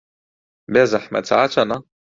بێزەحمەت سەعات چەندە؟